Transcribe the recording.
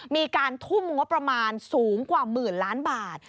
มีการทุ่มงบประมาณสูงกว่าหมื่นล้านบาท